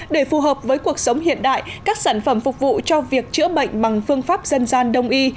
để phù hợp với cuộc sống hiện đại các sản phẩm phục vụ cho việc chữa bệnh bằng phương pháp dân gian đông y